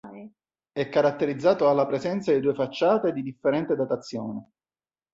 È caratterizzato dalla presenza di due facciate di differente datazione.